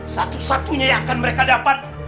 satu satunya yang akan mereka dapat